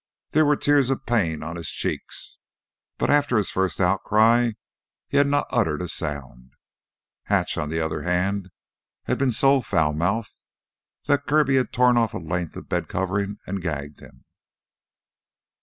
There were tears of pain on his cheeks, but after his first outcry he had not uttered a sound. Hatch, on the other hand, had been so foul mouthed that Kirby had torn off a length of the bed covering and gagged him.